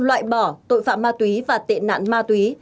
loại bỏ tội phạm ma túy và tệ nạn ma túy